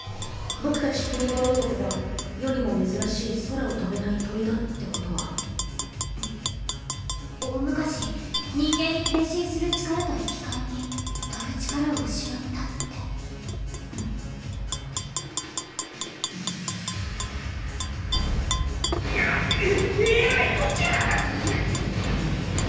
ボクたちプニバード族が世にもめずらしい空をとべない鳥だってことは大昔人間に変身する力と引きかえにとぶ力をうしなったってええらいこっちゃ！